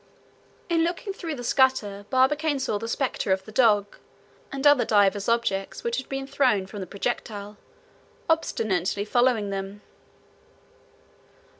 In looking through the scuttle Barbicane saw the specter of the dog, and other divers objects which had been thrown from the projectile, obstinately following them.